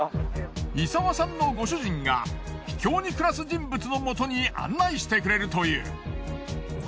伊澤さんのご主人が秘境に暮らす人物のもとに案内してくれるという。